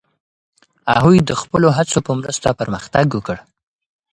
هغوی د خپلو هڅو په مرسته پرمختګ وکړ.